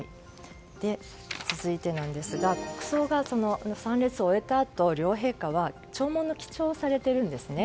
続いてなんですが国葬の参列を終えたあと両陛下は弔問の記帳をされているんですね。